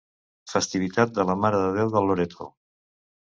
Festivitat de la Mare de Déu de Loreto.